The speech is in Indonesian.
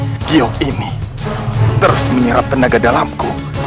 skil ini terus menyerap tenaga dalamku